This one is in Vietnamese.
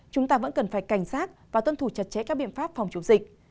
chúng ta vẫn cần phải cảnh sát và tuân thủ chặt chẽ các biện pháp phòng chống dịch